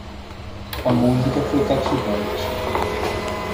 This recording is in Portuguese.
A música foi cativante.